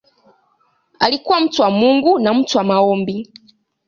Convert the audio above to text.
Alikuwa mtu wa Mungu na mtu wa maombi.